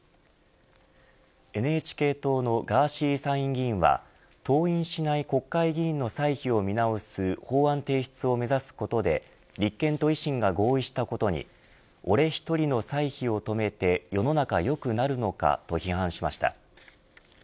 ＮＨＫ党のガーシー参院議員は登院しない国会議員の歳費を見直す法案提出を目指すことで立憲と維新が合意したことに俺１人の歳費を止めて世の中良くなるのかと批判しました。